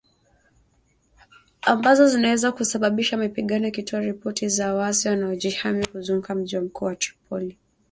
Ambazo zinaweza kusababisha mapigano ikitoa ripoti za waasi wanaojihami kuzunguka mji mkuu Tripoli.